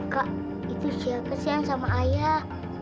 kak itu siapa siang sama ayah